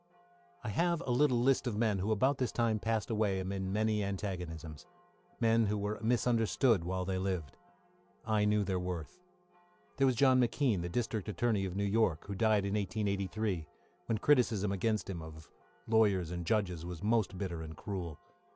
I have a little list of men who about this time passed away amid many antagonisms men who were misunderstood while they lived. I knew their worth. There was John McKean, the District Attorney of New York, who died in 1883, when criticism against him, of lawyers and judges, was most bitter and cruel.